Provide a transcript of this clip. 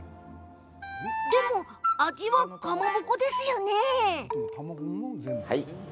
でも、味はかまぼこですよね？